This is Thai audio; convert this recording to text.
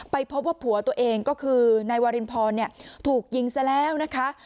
พบว่าผัวตัวเองก็คือนายวารินพรถูกยิงซะแล้วนะคะ